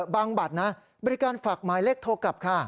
บัตรนะบริการฝากหมายเลขโทรกลับค่ะ